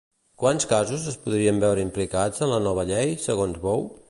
Quants casos es podrien veure implicats en la nova llei, segons Bou?